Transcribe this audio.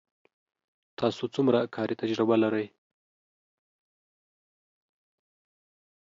تاسو څومره کاري تجربه لرئ